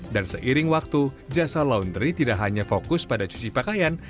dan seiring waktu jasa laundry tidak hanya fokus pada cuci pakaian